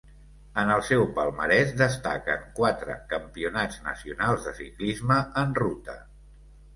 En el seu palmarès destaquen quatre campionats nacionals de ciclisme en ruta.